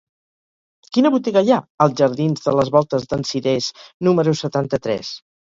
Quina botiga hi ha als jardins de les Voltes d'en Cirés número setanta-tres?